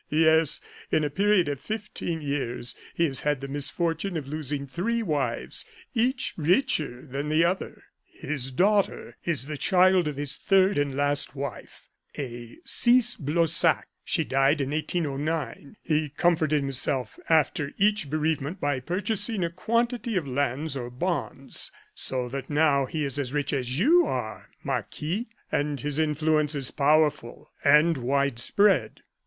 Yes, in a period of fifteen years he has had the misfortune of losing three wives, each richer than the other. His daughter is the child of his third and last wife, a Cisse Blossac she died in 1809. He comforted himself after each bereavement by purchasing a quantity of lands or bonds. So that now he is as rich as you are, Marquis, and his influence is powerful and widespread.